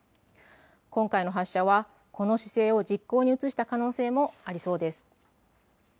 今回の発射はこの姿勢を実行に移した可能性もありそうです。